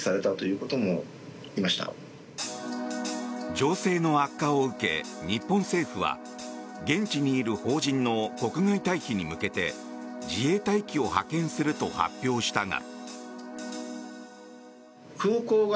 情勢の悪化を受け日本政府は現地にいる邦人の国外退避に向けて自衛隊機を派遣すると発表したが。